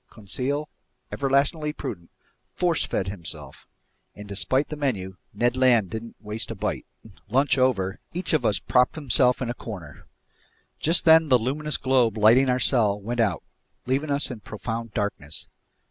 Conseil, everlastingly prudent, "force fed" himself; and despite the menu, Ned Land didn't waste a bite. Then, lunch over, each of us propped himself in a corner. Just then the luminous globe lighting our cell went out, leaving us in profound darkness.